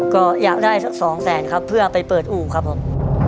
ก็อยากได้สักสองแสนครับเพื่อไปเปิดอู่ครับผม